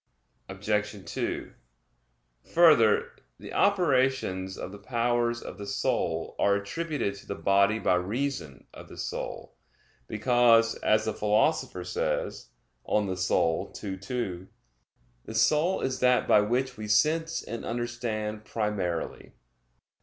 Obj. 2: Further, the operations of the powers of the soul are attributed to the body by reason of the soul; because, as the Philosopher says (De Anima ii, 2), "The soul is that by which we sense and understand primarily."